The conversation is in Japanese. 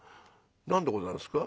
「何でございますか」。